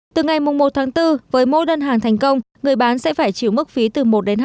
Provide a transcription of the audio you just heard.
từ ngày một tháng bốn với mỗi đơn hàng thành công người bán sẽ phải chịu mức phí từ một hai mươi